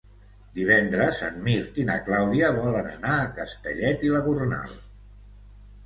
Divendres en Mirt i na Clàudia volen anar a Castellet i la Gornal.